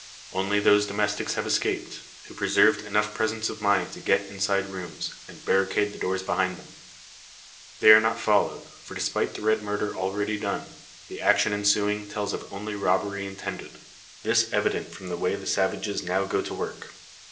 Only those domestics have escaped, who preserved enough presence of mind to get inside rooms, and barricade the doors behind them. They are not followed; for despite the red murder already done, the action ensuing, tells of only robbery intended. This evident from the way the savages now go to work.